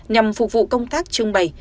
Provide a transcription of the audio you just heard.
nhằm phục vụ công tác trưng bày